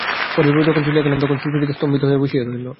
পরেশবাবু যখন চলিয়া গেলেন তখন সুচরিতা স্তম্ভিত হইয়া বসিয়া রহিল।